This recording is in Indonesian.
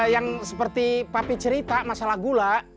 yang seperti papi cerita masalah gula